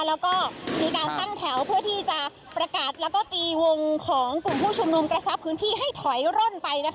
แล้วก็มีการตั้งแถวเพื่อที่จะประกาศแล้วก็ตีวงของกลุ่มผู้ชุมนุมกระชับพื้นที่ให้ถอยร่นไป